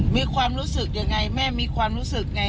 มีความรู้สึกยังไงแม่มีความรู้สึกไง